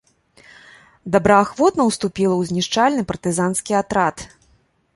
Добраахвотна уступіла ў знішчальны партызанскі атрад.